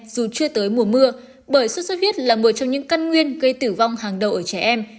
dù chưa tới mùa mưa bởi sốt xuất huyết là một trong những căn nguyên gây tử vong hàng đầu ở trẻ em